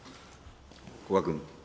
古賀君。